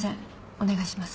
お願いします。